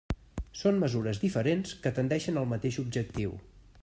Són mesures diferents que tendeixen al mateix objectiu.